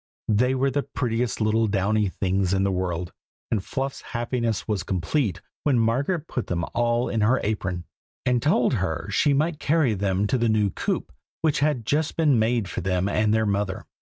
They were the prettiest little downy things in the world, and Fluff's happiness was complete when Margaret put them all in her apron, and told her she might carry them to the new coop which had just been made for them and their mother.